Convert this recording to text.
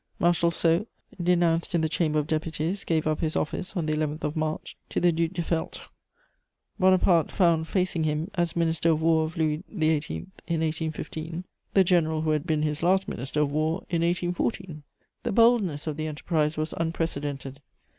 Marshal Soult, denounced in the Chamber of Deputies, gave up his office on the 11th of March to the Duc de Feltre. Bonaparte found facing him, as Minister of War of Louis XVIII. in 1815, the general who had been his last Minister of War in 1814. The boldness of the enterprise was unprecedented.